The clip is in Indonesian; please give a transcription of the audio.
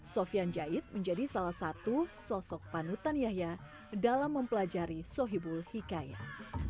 sofian jahit menjadi salah satu sosok panutan yahya dalam mempelajari sohibul hikayat